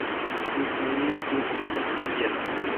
Deux cent mille deux cent vingt-sixième.